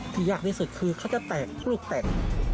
ยากที่สุดคือเขาจะแตกลูกแตก